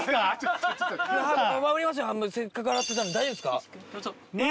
せっかく洗ってたのに大丈夫ですか？